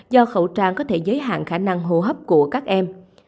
do khẩu trang có thể giới hạn khả năng hô hấp của các em